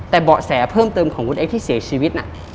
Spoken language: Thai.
แต่เบาะแสเพิ่มเติมของคุณเอ็กซ์ที่เสียชีวิตน่ะ